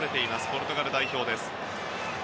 ポルトガル代表。